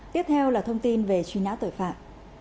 tiếp theo là thông tin về truy nã tội phạm